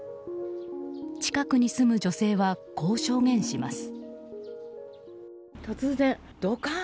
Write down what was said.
近くに住む女性はこう証言します。